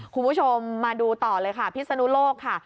คุณผู้ชมมาดูต่อเลยค่ะพิศนุโลกค่ะ